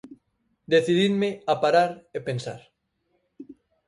Decidinme a parar e pensar.